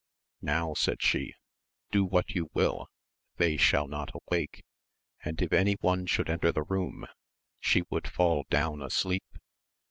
Now, said she, do what you will they shall not awake, and if any one ehould enter the room she would fall 78 AMADIS OF GAUL down asleep.